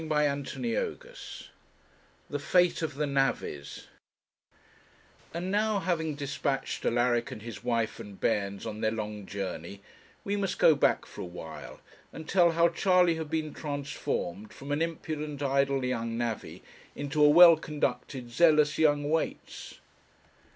CHAPTER XLV THE FATE OF THE NAVVIES And now, having dispatched Alaric and his wife and bairns on their long journey, we must go back for a while and tell how Charley had been transformed from an impudent, idle young Navvy into a well conducted, zealous young Weights.